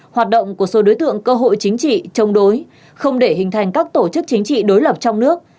hoạt động của số đối tượng cơ hội chính trị chống đối không để hình thành các tổ chức chính trị đối lập trong nước